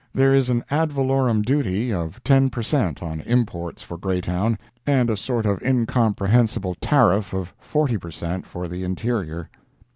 There is an ad valorem duty of ten per cent on imports for Greytown, and a sort of incomprehensible tariff of forty per cent for the interior.